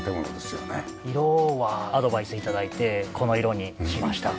色はアドバイス頂いてこの色にしました。